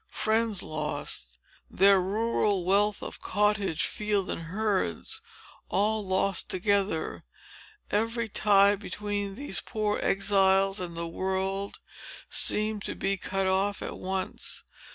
—friends lost!—their rural wealth of cottage, field, and herds, all lost together! Every tie between these poor exiles and the world seemed to be cut off at once.